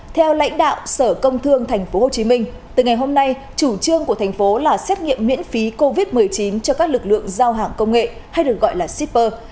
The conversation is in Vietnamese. theo lãnh đạo sở công thương tp hcm từ ngày hôm nay chủ trương của thành phố là xét nghiệm miễn phí covid một mươi chín cho các lực lượng giao hàng công nghệ hay được gọi là shipper